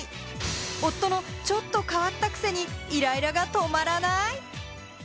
夫のちょっと変わったくせにイライラが止まらない？